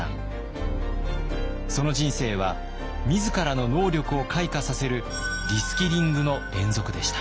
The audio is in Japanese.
その人生は自らの能力を開花させるリスキリングの連続でした。